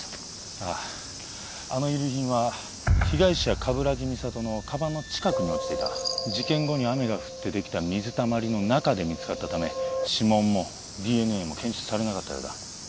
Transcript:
あああの遺留品は被害者・鏑木美里のカバンの近くに落ちていた事件後に雨が降ってできた水たまりの中で見つかったため指紋もＤＮＡも検出されなかったようだ